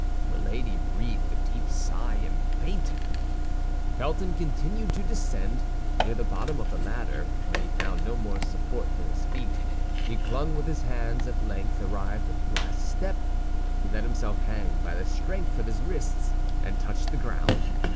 Milady breathed a deep sigh and fainted. Felton continued to descend. Near the bottom of the ladder, when he found no more support for his feet, he clung with his hands; at length, arrived at the last step, he let himself hang by the strength of his wrists, and touched the ground.